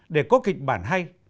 để có kịch bản hay